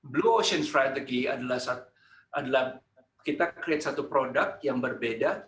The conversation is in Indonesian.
blue ocean strategy adalah kita create satu produk yang berbeda